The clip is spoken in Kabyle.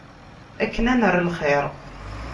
Akken ad nerr lxir.